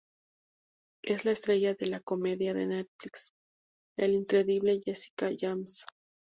Es la estrella de la comedia de Netflix "The Incredible Jessica James"